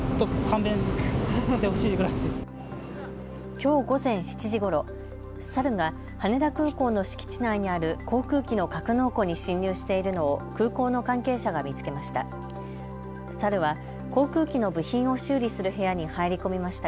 きょう午前７時ごろ、サルが羽田空港の敷地内にある航空機の格納庫に侵入しているのを空港の関係者が見つけました。